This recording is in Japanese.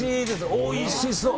おいしそう！